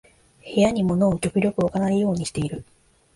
部屋に物を極力置かないようにしてる